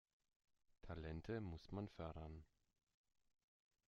Talente muss man fördern.